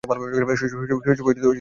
শৈশবে তিনি খুব দুরন্ত ছিলেন।